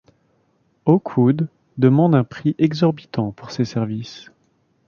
Hawkwood demande un prix exorbitant pour ses services.